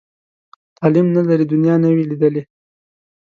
تعلیم نه لري، دنیا نه وي لیدلې.